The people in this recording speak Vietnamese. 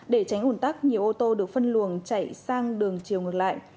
để tránh ủn tắc nhiều ô tô được phân luồng chạy sang đường chiều ngược lại